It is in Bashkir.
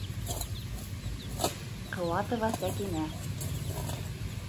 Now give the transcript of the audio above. Ҡыуатова Сәкинә.